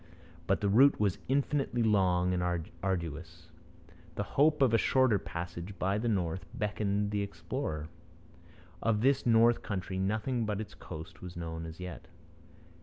But the route was infinitely long and arduous. The hope of a shorter passage by the north beckoned the explorer. Of this north country nothing but its coast was known as yet.